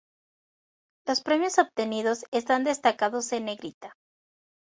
Los premios obtenidos están destacados en negrita.